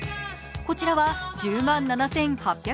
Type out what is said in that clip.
こちらは１０万７８００円。